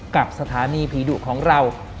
สถานีผีดุของเรา